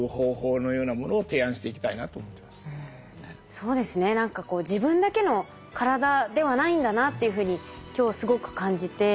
そうですね何かこう自分だけの体ではないんだなっていうふうに今日すごく感じて。